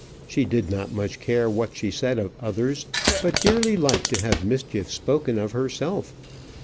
She did not much care what she said of others, but dearly liked to have mischief spoken of herself.